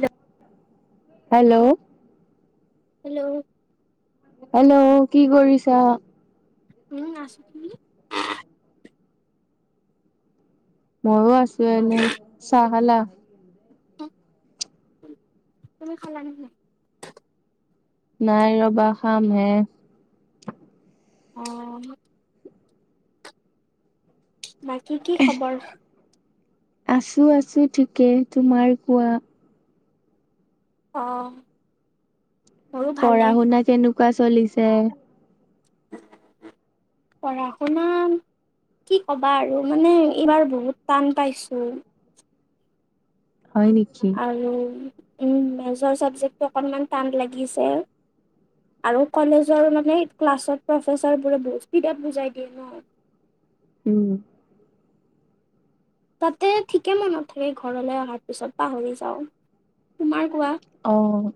Hello hello. Hello. Hello. কি কৰিছা। ঊম না [unintelligible] ময়ো আছোঁ এনেই। চাহ খালা? তুমি খালা নে নাই? নাই ৰ'বা, খাম হে। অ'। বাকী কি খবৰ? আছোঁ, আছোঁ ঠিকে। তোমাৰ কোৱা? অ'। মোৰো ভালে পঢ়া-শুনা কেনেকুৱা চলিছে? পঢ়া-শুনা কি ক'বা আৰু মানে এইবাৰ বহুত টান পাইছোঁ। হয় নেকি? ঊম, মেজৰ চাবজেক্টটো অকনমান টান লাগিছে। আৰু কলেজৰ মানে ক্লাছত প্ৰফেচাৰবোৰে বহুত স্পীডত বুজাই দিয়ে ন'। ঊম। তাতে ঠিকে মনত থাকে ঘৰলৈ অহাৰ পিছত পাহৰি যাওঁ। তোমাৰ কোৱা? অ'।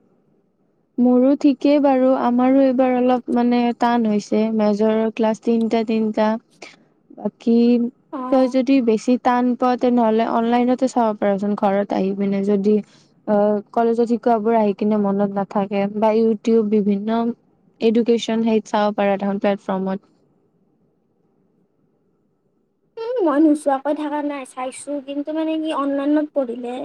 মোৰো ঠিকেই বাৰু আমাৰো এইবাৰ অলপ মানে টান হৈছে মেজৰৰ ক্লাছ তিনটা তিনটা। বাকী অ তই যদি বেছি টান পোৱা তেনেহলে অনলাইনতে চাব পাৰচোন ঘৰত আহি পিনে যদি কলেজত শিকোৱাবোৰ আহি কিনে মনত নাথাকে, বা ইউটিউব বিভিন্ন এডুকেশ্যন হেইত চাব পৰা দেখোন প্লেটফৰ্মত। উম মই নোচোৱাকৈ থকা নাই চাইছো কিন্তু মানে কি অনলাইনত পঢ়িলে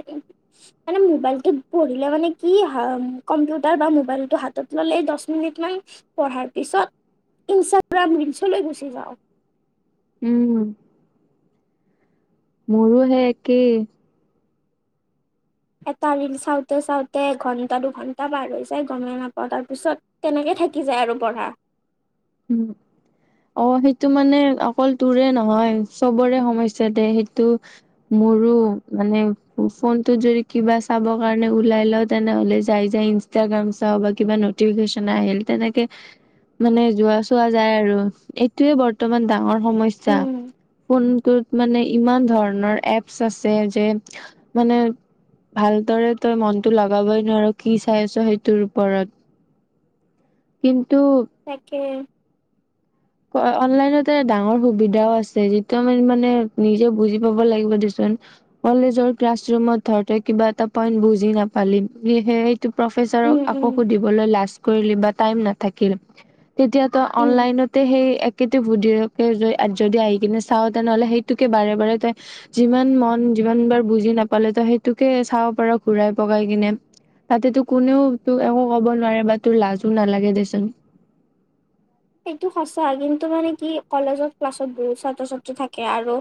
মানে মোবাইলটোত পঢ়িলে মানে কি হা, কম্পিউটাৰ বা মোবাইলটো হাতত ল'লে দচ মিনিটমান পঢ়াৰ পিছত, ইনচাগ্ৰাম ৰিলচলৈ গুচি যাওঁ। উম, মোৰো সেই একেই। এটা ৰিল চাওঁতে চাওঁতে এঘণ্টা-দুঘণ্টা পাৰ হৈ যায়, গমে নাপাওঁ তাৰপিছত তেনেকে থাকি যায় আৰু পঢ়া। উম। অ', সেইটো মানে অকল তোৰে নহয়, চবৰে সমস্যা দে সেইটো মোৰো মানে ফোনটোত যদি কিবা চাবৰ কাৰণে ওলাই লওঁ, তেনেহ'লে যাই যাই ইন টাগ্ৰাম চাও বা কিবা নতিফিকেচনে আহিল, তেনেকে মানে যোৱা চোৱা যায় আৰু, এইটোয়ে বৰ্তমান ডাঙৰ সমস্যা। উম ফোনটোত মানে ইমান ধৰণৰ এপছ আছে যে মানে ভালদৰে তই মনতো লগাবই নোৱাৰো কি চাই আছ' সেইটোৰ ওপৰত। কিন্তু তাকে। অনলাইনতে ডাঙৰ সুবিধাও আছে, যিটো আমি মানে নিজে বুজি পাব লাগিব দেচোন। কলেজৰ ক্লাছ ৰুমত ধৰ তই কিবা এটা পইন্ট বুজি নাপালি, প্লি সেই প্ৰফেচাৰক উম উম আকৌ সুধিবলৈ লাজ কৰিলি বা টাইম নাথাকিল। তেতিয়া তই উম অনলাইনত সেই একেতো ভুদৰিকে যদি আহি কিনে চাৱ তেনেহ'লে সেইটোকে বাৰে বাৰে তই যিমান মন যিমান বাৰ বুজি নাপালেতো সেইটোকে চাব পাৰ ঘূৰাই পকাই কিনে। তাতেতো কোনেও তোক একো ক'ব নোৱাৰে বা তোৰ লাজো নালাগে দেচোন। সেইটো সঁচা কিন্তু মানে কি কলেজত ক্লাছত বহুত ছাত্ৰ ছাত্ৰী থাকে আৰু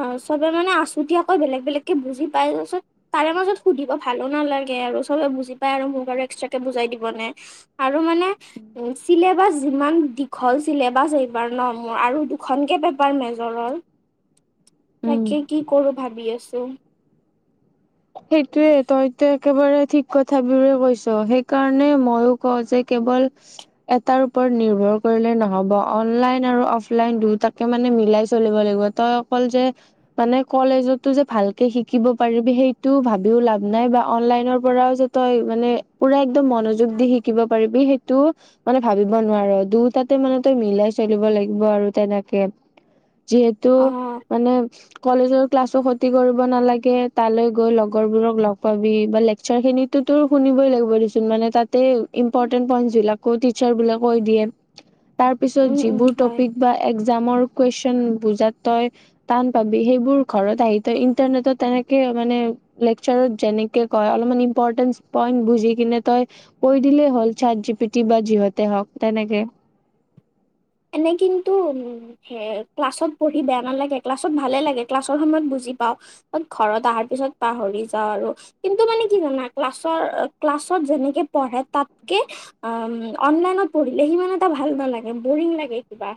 অ', চবে মানে আছুতীয়াকৈ বেলেগ বেলেগকে বুজি পায় তাৰপিছত তাৰে মাজত সুধিব ভালো নালাগে আৰু চবে বুজি পায় আৰু মোক আৰু এক্সট্ৰাকে বুজাই দিবনে। আৰু মানে উম চিলেবাছ যিমান দীঘল চিলেবাছ এইবাৰ ন মোৰ আৰু দুখনকে পেপাৰ মেজৰৰ। উম তাকে কি কৰো ভাবি আছো। সেইটোয়ে তইতো একেবাৰে ঠিক কথাবোৰে কৈছো সেইকাৰণে ময়ো কওঁ যে কেৱল এটাৰ ওপৰত নিৰ্ভৰ কৰিলে নহ'ব অনলাইন আৰু অফলাইন দুয়টাকে মানে মিলাই চলিব লাগিব। তই অকল যে মানে কলেজতো যে ভালকে শিকিব পাৰিবি সেই টো ভাবিও লাভ বা অনলাইনৰ পৰাও যে মানে পুৰা একদম মনোযোগ দি শিক শিকিব পাৰিবি সেইটো মানে ভাবিব নোৱাৰো দুটাতে মানে তই মিলাই চলিব লাগিব আৰু তেনেকে। যিহেতু অ মানে কলেজৰ ক্লাছো খতি কৰিব নালাগে তালৈ গৈ লগৰ বোৰক লগ পাবি বা লেকচাৰখিনিতো তো শুনিবই লাগিব দেচোন মানে তাত ইমপৰ্টেন্স পইন্টচবিলাকো টিচাৰবিলাকে কৈ দিয়ে। তাৰপিছত উম উম যিবোৰ হয় টপিক বা একজামৰ কুৱেশন বুজাত তই টান পাবি সেইবোৰ ঘৰত আহি ইন্টাৰনেটত তেনেকে মানে লেকচাৰত যেনেকে কয় অলপমান ইম্পৰ্টেন্স পইণ্ট বুজি কিনে তই কৈ দিলেই হ'ল চাত জিপিটি বা যিহতে হওঁক তেনেকে। এনেই কিন্তু উম সেই ক্লাছত পঢ়ি বেয়া নালাগে ক্লাছত ভালে লাগে ক্লাছৰ সময়ত বুজি পাওঁ। ঘৰত অহাৰ পিছত পাহৰি যাওঁ আৰু। কিন্তু মানে কি জানা ক্লাছৰ ক্লাছত যেনেকে পঢ়ে তাতকে অ', অনলাইনত পঢ়িলে সিমান এটা ভাল নালাগে বৰিং লাগে কিবা।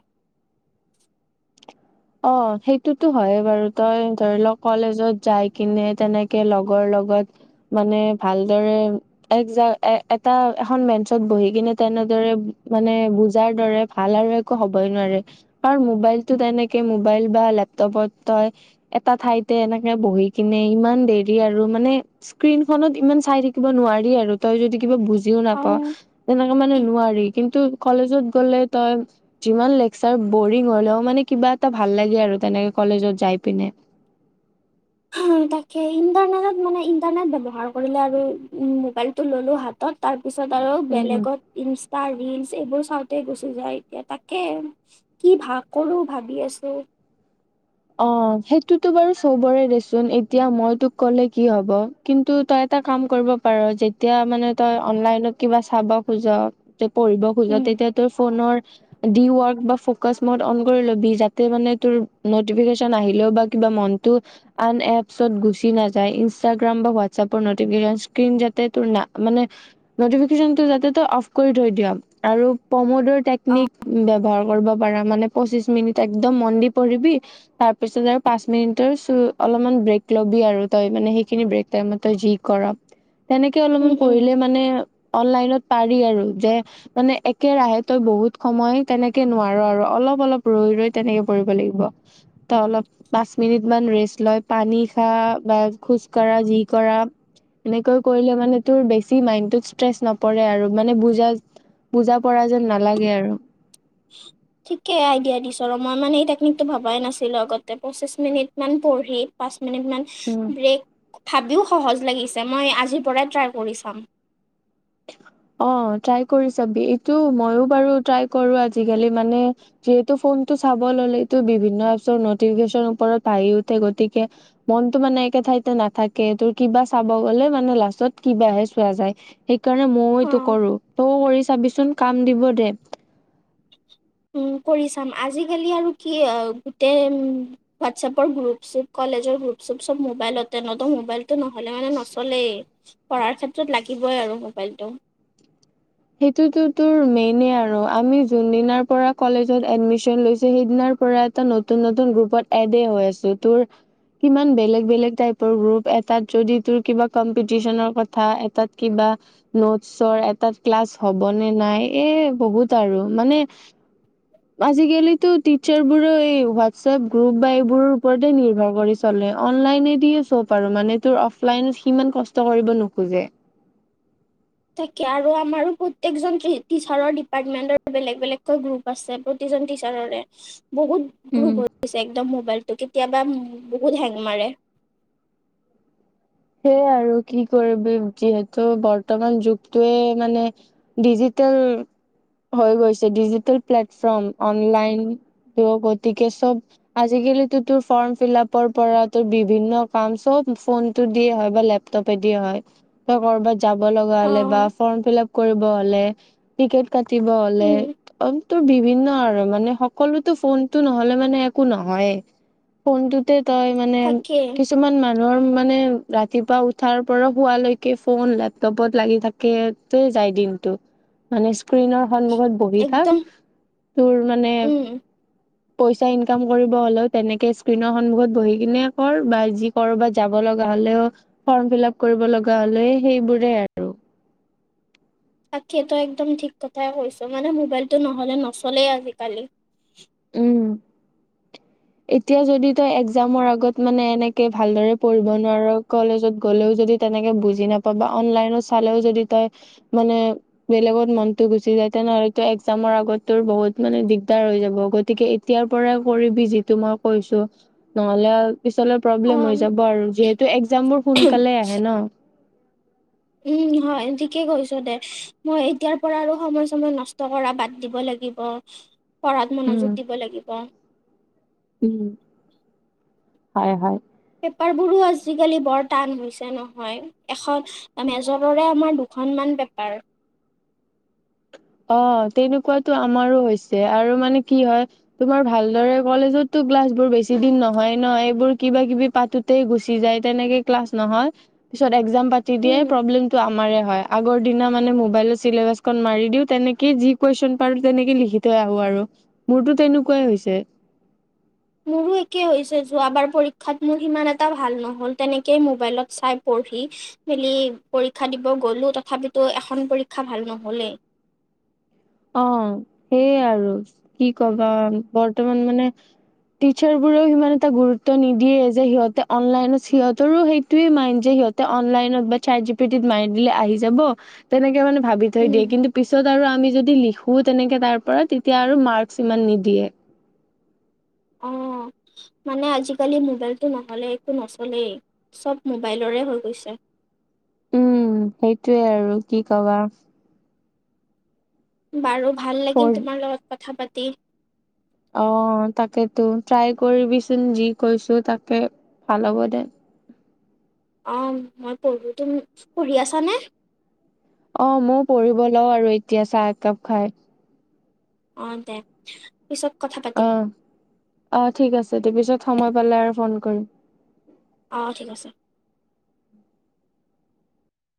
অ', সেইটোতো হয়ে বাৰু তই ধৰি ল কলেজত যায় কিনে তেনেকে লগৰ লগত মানে ভালদৰে একজাম এ এটা এখন বেঞ্চত বহি কিনে তেনেদৰে মানে বুজাৰ দৰে ভাল আৰু হ'বই নোৱাৰে কাৰণ মোবাইলতো তেনেকে মোবাইল বা লেপটপত তই এটা ঠাইতে এনেকে বহি কিনে ইমান দেৰি আৰু মানে স্ক্ৰীনখনত ইমান চাই থাকিব নোৱাৰি আৰু তই যদি কিবা বুজি ও অ নাপাওঁ তেনেকে মানে নোৱাৰি। কিন্তু কলেজত গ'লে তই যিমান লেকচাৰ বৰিং হ'লে মানে কিবা ভাল লাগে আৰু তেনেকে কলেজত যায় পিনে। তাকে ইণ্টাৰনেটত মানে ইণ্টাৰনেট ব্যৱহাৰ কৰিলে আৰু মোবাইলটো ল'লো হাতত। তাৰ পিছত আৰু উম বেলেগত ইনষ্টা ৰিলচ এইবোৰ চাওঁতে গুচি যায় এতিয়া তাকে। কি ভাগ কৰোঁ ভাবি আছোঁ। অ', সেইটোতো বাৰু চবৰে দেচোন এতিয়া মই তোক কলে কি হ'ব। কিন্তু তই এটা কাম কৰিব পাৰ যেতিয়া মানে তই অনলাইনত কিবা চাব খোজো। তে পঢ়িব খোজা উম তেতিয়া তোৰ ফোনৰ দি ৱৰ্ক বা ফকাছ মুঠ অন কৰি ল'বি যাতে মানে তোৰ নোট নটিফিকেচন আহিলেও বা কিবা মনটো- আন এপছট গুচি নাযায়, ইনষ্টাগ্ৰাম বা হোৱাটছএপৰ নটিফিকেচন স্ক্ৰীন যাতে তোৰ না মানে- নটিফিকেচনৰ ডাটাটো অফ কৰি থৈ দিয়া আৰু পৰ্মোট- টোৰ অ টেকনিক ব্যৱহাৰ কৰিব পাৰা মানে, পঁচিশ মিনিট একদম মন দি পঢ়িবি, - তাৰপিছত আৰু পাঁচ মিনিটৰ অলমান ব্ৰেক ল'বি আৰু তই মানে সেইখিনি ব্ৰেক টাইমতে তই যি কৰ। তেনেকে অলমান উম, উম। পঢ়িলে মানে অনলাইনত পাৰি আৰু যে- মানে একেৰাহে তই বহুত সময় তেনেকে নোৱাৰো আৰু, অলপ অলপ ৰৈ ৰৈ তেনেকে পঢ়িব লাগিব। তয় অলপ- পাঁচ মিনিট মান ৰেষ্ট লৈ পানী খা বা খোজ কঢ়া যি কৰা, - এনেকৈ কৰিলে মানে তোৰ বেছি মাইডত ষ্ট্ৰেচ নপৰে আৰু মানে বুজা- বুজা পৰা যেন নালাগে আৰু। [inaudible] ঠিকেই আইডিয়া দিছো আৰু মই মানে এই টেকনিকটো ভবাই নাছিলো আগতে পঁচিছ মিনিট মান পঢ়ি- পাঁচ মিনিট মান- উম' ব্ৰেক ভাবিও সহজ লাগিছে, মই আজিৰ পৰাই ট্ৰাই কৰি চাম। অঁ' ট্ৰাই কৰি চাবি, এইটো মইও বাৰু ট্ৰাই কৰো আজিকালি মানে- যিহেতু ফোনটো চাব ললেটো বিভিন্ন এপচৰ নটিফিকেশচনৰ ওপৰত বাঢ়ি উঠে, গতিকে- মনটো মানে একে ঠাইতে নাথাকে, তোৰ কিবা চাব গ'লে মানে লাষ্টত কিবাহে চোৱা যায়। সেইকাৰণে ময়ো এইটো অ', কৰো, তইও কৰি চাবিচোন কাম দিব দে। উম' কৰি চাম, আজিকালি আৰু কি আৰু গোটেই- হোৱাটছএপৰ গ্ৰুপ চুপ কলেজৰ গ্ৰুপ চুপ চব মোবাইলটে ন তো মোবাইল- টো নহ'লে মানে নচলেই, পঢ়াৰ ক্ষেত্ৰত লাগিবই আৰু মোবাইলটো। সেইটোতো তোৰ মেইনে আৰু আমি যোন দিনাৰ পৰা কলেজত এডমিচন লৈছো সেইদিনাৰ পৰা- এটা নতুন নতুন গ্ৰুপত এডে হৈ আছো, তোৰ- কিমান বেলেগ বেলেগ টাইপৰ গ্ৰুপ এটাত যদি তোৰ কিবা কম্পিটিচনৰ কথা এটাত কিবা। নোটছৰ, এটাত ক্লাছ হ'বনে নাই। এ বহুত আৰু মানে- আজিকালিতো টিচাৰবোৰো এই হোৱাটছএপ গ্ৰুপ বা এইবোৰৰ ওপৰতে নিৰ্ভৰ কৰি- চলে, অনলাইনে দিয়ে সব আৰু মানে তোৰ অফলাইন সিমান কষ্ট কৰিব নোখোজে। তাকে আৰু আমাৰো প্ৰত্যেকজন টিচাৰৰ ডিপাৰ্টমেন্টৰ বেলেগ বেলেগকৈ গ্ৰুপ- আছে প্ৰতিজন টিচাৰৰে, বহুত- উম। গ্ৰুপ হৈ গৈছে একদম মোবাইলটো কেতিয়াবা বহুত হেং মাৰে। সেইয়া আৰু কি কৰিবি, যিহেতু বৰ্তমান যুগটোৱে মানে- ডিজিটেল হৈ গৈছে, ডিজিটেল প্লেটফৰ্ম অনলাইন। গতিকে চব- আজিকালিটো তোৰ ফৰ্ম ফিলাপৰ পৰা তোৰ বিভিন্ন কাম চব ফোন- টো দিয়ে হয় বা লেপটপ দি হয়, তোৰ কৰবাত যাব লগা অ হ'লে বা ফৰ্ম ফিলাপ- কৰিব হ'লে, টিকেট কাটিব উম হ'লে- তোৰ বিভিন্ন আৰু মানে সকলোতো ফোনটো নহ'লে মানে একো নহয়েই। ফোনটোতে তয় মানে তাকে কিছুমান মানুহৰ মানে, - ৰাতিপুৱা উঠাৰ পৰা শুৱালৈকে ফোন লেপটপত লাগি থাকে টেই যায় দিনটো। মানে স্ক্ৰীনৰ সন্মুখত বহি থাক, একদম তোৰ মানে- উম পইচা ইনকাম কৰিব হ'লেও তেনেকে স্ক্ৰীণৰ সন্মুখত বহি কিনে কৰ বা যি কৰবাত যাব লগ- লগা হ'লেও, ফৰ্ম ফিলাপ কৰিব লগা হ'লেও সেইবোৰে আৰু। তাকেই তয় একদম ঠিক কথাই কৈছ, মানে মোবাইলটো নহ'লে নচলেই আজিকালি। উম, এতিয়া যদি তই একজামৰ আগত মানে এনেকে ভালদৰে পঢ়িব নোৱাৰা কলেজত গ'লেও যদি তেনেকে বুজি নাপাবা, অনলাইনত চালেও যদি তই মানে বেলেগত মনটো গুচি যায়, তেনেহ'লে তো একজামৰ আগত তোৰ বহুত মানে দিগদাৰ হৈ যাব। গতিকে এতিয়াৰ পৰাই কৰিবি যিটো মই কৈছো, নহ'লে আ পিছলে অ প্ৰব্লেম হৈ যাব আৰু যিহেতু একজাম বোৰ সোনকালে আহে ন'। উম, হয় ঠিকেই কৈছা দে, মই এতিয়াৰ পৰা আৰু সময় চময় নষ্ট কৰা বাদ দিব লাগিব। [unintelligible] পঢ়াত উম, মনোযোগ দিব লাগিব। উম, হয় হয়। পেপাৰবোৰো আজিকালি বৰ টান হৈছে নহয়, এখন মেজৰৰে আমাৰ দুখনমান পেপাৰ। অ', তেনেকুৱাটো আমাৰো হৈছে, আৰু মানে কি হয় তোমাৰ ভালদৰে কলেজতো ক্লাছ বোৰ বেছি দিন নহয় ন', এইবোৰ কিবা কিবি পাতো তেই গুচি যায়, তেনেকে ক্লাছ নহয়, পিছত একজাম পাতি উম দিয়াই প্ৰব্লেমটো আমাৰে হয়। আগৰ দিনত মোবাইলত চিলেবাচখন মাৰি দিও তেনেকেই যি কুৱেশ্যন পাৰো তেনেকে লিখি থৈ আহো আৰু। মোৰতো তেনেকুৱাই হৈছে। মোৰো একেই হৈছে, যোৱাবাৰ পৰীক্ষাত মোৰ ইমান এটা ভাল নহ'ল, তেনেকেই মোবাইলত চাই পঢ়ি মেলি পৰীক্ষা দিব গ'লো তথাপিতো এখন পৰীক্ষা ভাল নহলেই। অ', সেইয়ে আৰু কি কবা? বৰ্তমান মানে টিচাৰ বোৰেও সিমান এটা গুৰুত্ব নিদিয়ে, যে সিহঁতে অনলাইনত সিহঁতৰো সেইটোৱে মাইন যে সিহঁত অনলাইন বা চাত জি পিটিত মাৰি দিলে আহি যাব, তেনেকে মানে ভাবি থৈ উম দিয়ে, কিন্তু পিছত আৰু আমি যদি লিখোঁ তেনেকে তাৰ পৰা, তেতিয়া আৰু মাৰ্কচ ইমান নিদিয়ে। অঁ। মানে আজিকালি মোবাইলটো নহলে একো নচলেই, চব মোবাইলৰে হৈ গৈছে। উম, সেইটোৱে আৰু কি কবা। বাৰু ভাল লাগিল পঢ় তোমাৰ লগত কথা পাতি। অ', তাকেতো ট্ৰাই কৰিবিচোন যি কৈছো, তাকে ভাল হ'ব দে। অ', মই পঢ়ো, তুমি পঢ়ি আছা নে? অ', মইয়ো পঢ়িব লওঁ আৰু এতিয়া চাহ একাপ খাই। অ', দে পিছত কথা অ পাতিম। অ', ঠিক আছে দে, পিছত সময় পালে আৰু ফোন কৰিম। অ', ঠিক আছে।